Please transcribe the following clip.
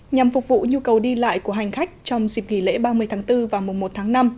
nhằm phục vụ nhu cầu đi lại của hành khách trong dịp nghỉ lễ ba mươi tháng bốn và mùa một tháng năm